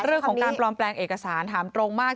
เรื่องของการปลอมแปลงเอกสารถามตรงมาก